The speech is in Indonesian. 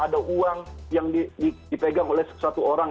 ada uang yang dipegang oleh satu orang